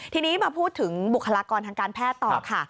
ทีนี้มาพูดถึงบุคลากรทางการแพทย์ต่อค่ะ